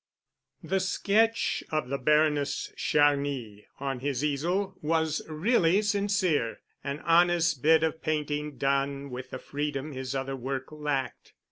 The sketch of the Baroness Charny on his easel was really sincere—an honest bit of painting done with the freedom his other work lacked.